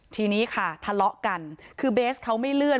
ทีนี้ค่ะทะเลาะกันคือเบสเขาไม่เลื่อน